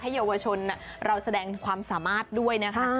เยาวชนเราแสดงความสามารถด้วยนะคะ